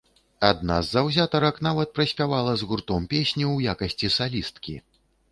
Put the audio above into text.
Адна з заўзятарак нават праспявала з гуртом песню ў якасці салісткі.